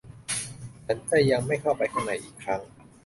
ฉันจะยังไม่เข้าไปข้างในอีกครั้ง